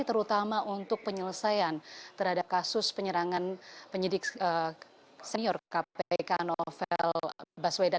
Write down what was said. terutama untuk penyelesaian terhadap kasus penyerangan penyidik senior kpk novel baswedan